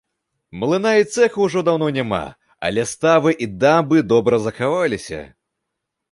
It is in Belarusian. Млына і цэху ўжо даўно няма, але ставы і дамбы добра захаваліся.